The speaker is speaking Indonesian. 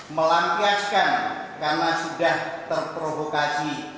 melampiaskan karena sudah terperhubungan